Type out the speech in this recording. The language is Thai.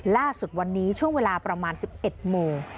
ล่าสุดวันนี้ช่วงเวลาประมาณ๑๑โมง